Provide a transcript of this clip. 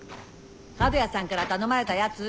角屋さんから頼まれたやつ。